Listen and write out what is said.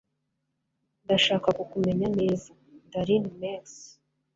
Ndashaka kukumenya neza. (darinmex)